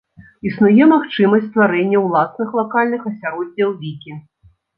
Існуе магчымасць стварэння ўласных лакальных асяроддзяў вікі.